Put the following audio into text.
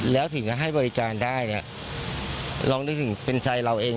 แล้วถึงก็ให้บริการได้เนี่ยลองนึกถึงเป็นใจเราเอง